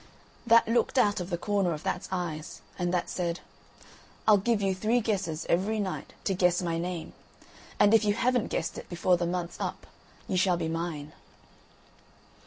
That looked out of the corner of that's eyes, and that said: "I'll give you three guesses every night to guess my name, and if you haven't guessed it before the month's up you shall be mine."